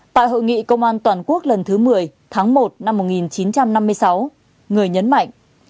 tại hội nghị công an toàn quốc lần thứ một mươi tháng một năm một nghìn chín trăm năm mươi sáu người nhấn mạnh